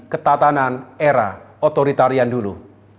ketatanan era otoritarian dulu